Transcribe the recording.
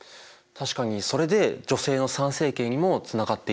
確かにそれで女性の参政権にもつながっていったしね。